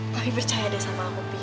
papi percaya deh sama aku pi